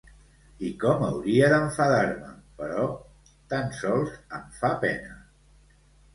I com hauria d'enfadar-me, però tan sols em fa pena.